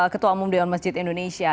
ketua umum dewan masjid indonesia